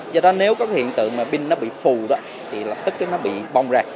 do đó nếu có hiện tượng mà pin nó bị phù đó thì lập tức nó bị bong ra